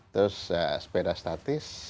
terus sepeda statis